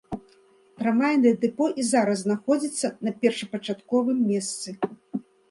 Трамвайнае дэпо і зараз знаходзіцца на першапачатковым месцы.